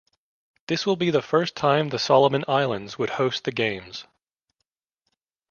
This will be the first time the Solomon Islands would host the Games.